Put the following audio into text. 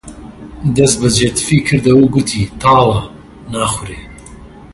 دەسبەجێ تفی کردەوە و گوتی: تاڵە، ناخورێ